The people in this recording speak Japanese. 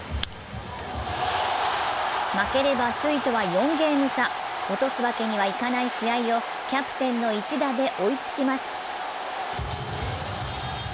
負ければ首位とは４ゲーム差、落とすわけにはいかない試合をキャプテンの一打で追いつきます。